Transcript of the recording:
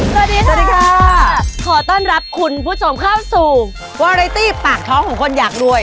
สวัสดีค่ะขอต้อนรับคุณผู้ชมเข้าสู่วาไรตี้ปากท้องของคนอยากรวย